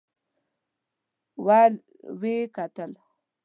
ور ويې کتل.